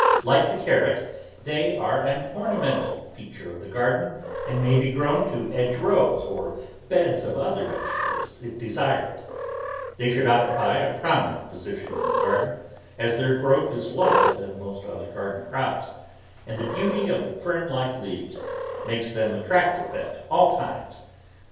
Like the carrot, they are an orna mental feature of the garden and may be grown to edge rows or beds of other vegetables if desired; they should occupy a prominent position in the garden, as their growth is lower than most other garden crops, and the beauty of the fern like leaves makes them attractive at all times.